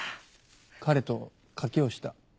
彼と賭けをした。